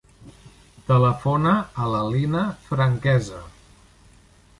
Telefona a la Lina Franquesa.